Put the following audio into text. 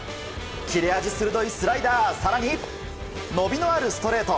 切れ味鋭いスライダー更に伸びのあるストレート。